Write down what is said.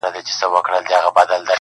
څومره غښتلی څومره بېباکه؛